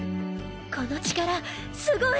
この力すごい！